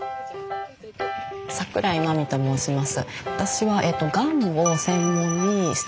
桜井マミと申します。